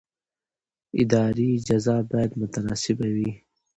اداري جزا باید متناسبه وي.